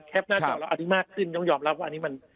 หน้าจอเราอันนี้มากขึ้นต้องยอมรับว่าอันนี้มัน